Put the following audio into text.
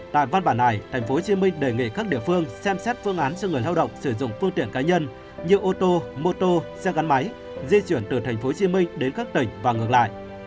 tại văn bản này tp hcm đề nghị các địa phương xem xét phương án cho người lao động sử dụng phương tiện cá nhân như ô tô mô tô xe gắn máy di chuyển từ tp hcm đến các tỉnh và ngược lại